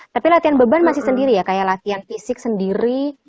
tapi latihan beban masih sendiri ya kayak latihan fisik sendiri